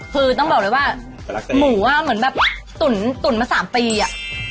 คือต้องบอกเลยว่าหมูอ่ะเหมือนแบบตุ๋นมา๓ปีอะ